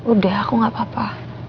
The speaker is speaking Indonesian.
udah aku gapapa